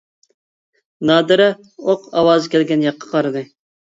نادىرە ئوق ئاۋازى كەلگەن ياققا قارىدى.